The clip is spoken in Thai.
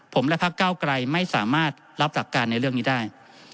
ผมและพักเก้าไกรไม่สามารถรับหลักการในเรื่องนี้ได้